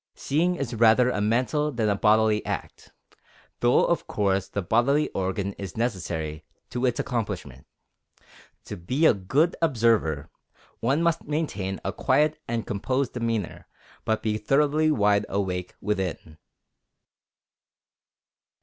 Seeing is rather a mental than a bodily act, though of course the bodily organ is necessary to its accomplishment. To be a good observer, one must maintain a quiet and composed demeanor, but be thoroughly wide awake within. XIII.